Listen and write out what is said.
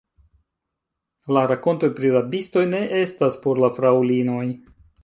La rakontoj pri rabistoj ne estas por la fraŭlinoj.